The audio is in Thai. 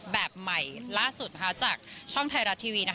แบบใหม่ล่าสุดจากช่องไทยรัฐทีวี